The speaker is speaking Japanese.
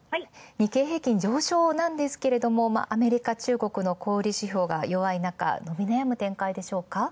日経平均、上昇なんですが、アメリカ、中国の小売指標が弱いなか伸び悩む展開でしょうか。